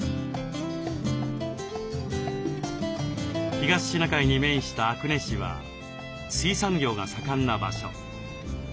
東シナ海に面した阿久根市は水産業が盛んな場所。